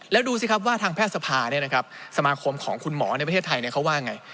แล้วดูสิครับว่าทางแพทย์สภาสมาคมของคุณหมอในประเทศไทยเขาว่าไง